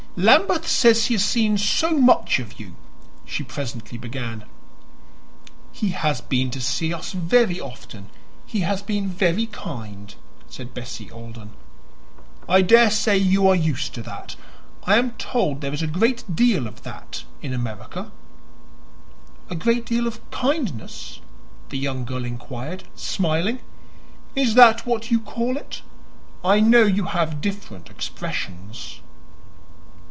"Lambeth says he has seen so much of you," she presently began. "He has been to see us very often; he has been very kind," said Bessie Alden. "I daresay you are used to that. I am told there is a great deal of that in America." "A great deal of kindness?" the young girl inquired, smiling. "Is that what you call it? I know you have different expressions."